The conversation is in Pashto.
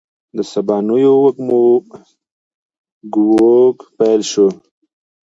د سبانیو وږمو ږوږ پیل شو